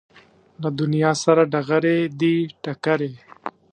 له دنیا سره ډغرې دي ټکرې